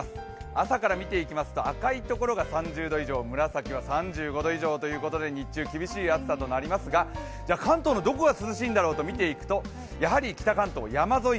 朝から見ていきますと赤いところが３０度以上、紫は３５度以上ということで日中厳しい暑さとなりますが関東のどこが涼しいんだろうと見ていくと、やはり北関東山沿い